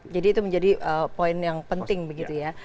jadi itu menjadi poin yang penting begitu ya